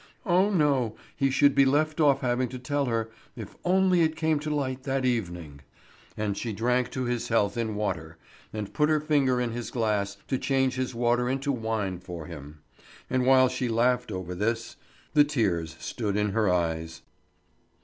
Oh no, he should be let off having to tell her, if only it came to light that evening; and she drank to his health in water, and put her finger in his glass to change his water into wine for him; and while she laughed over this, the tears stood in her eyes.